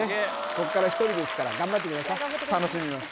ここから１人ですから頑張って楽しみます